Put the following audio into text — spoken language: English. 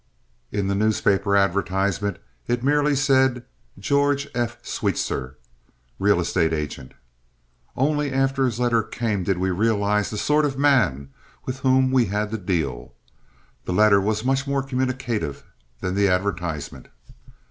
In the newspaper advertisement it merely said "George F. Sweetser, Real Estate Agent." Only after his letter came did we realize the sort of man with whom we had to deal. The letter was much more communicative than the advertisement.